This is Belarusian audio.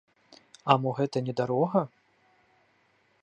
А мо гэта не дарога?